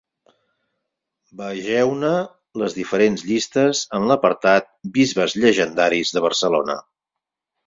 Vegeu-ne les diferents llistes en l'apartat Bisbes llegendaris de Barcelona.